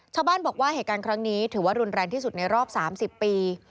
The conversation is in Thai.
ชาวบ้านบอกว่าเหตุการณ์ครั้งนี้ถือว่ารุนแรงที่สุดในรอบ๓๐ปี